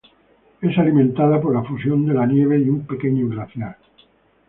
Es alimentada por la fusión de la nieve y un pequeño glaciar.